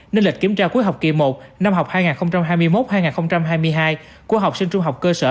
nên lịch kiểm tra cuối học kỳ một năm học hai nghìn hai mươi một hai nghìn hai mươi hai của học sinh trung học cơ sở